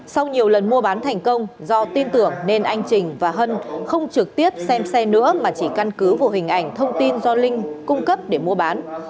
sau nhiều lần mua bán thành công do tin tưởng nên anh trình và hân không trực tiếp xem xe nữa mà chỉ căn cứ vào hình ảnh thông tin do linh cung cấp để mua bán